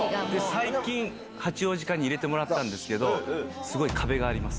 最近、八王子会に入れてもらったんですけど、すごい壁があります。